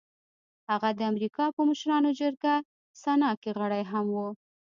هغه د امريکا په مشرانو جرګه سنا کې غړی هم و.